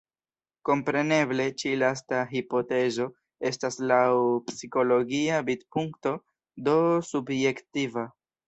Kompreneble ĉi lasta hipotezo estas laŭ psikologia vidpunkto, do subjektiva.